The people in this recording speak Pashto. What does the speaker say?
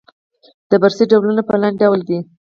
د بررسۍ ډولونه په لاندې ډول دي.